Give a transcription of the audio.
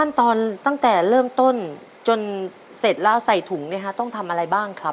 ตั้งแต่เริ่มต้นจนเสร็จแล้วใส่ถุงเนี่ยฮะต้องทำอะไรบ้างครับ